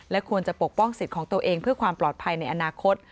ควรจะปกป้องสิทธิ์ของตัวเองเพื่อความปลอดภัยในอนาคต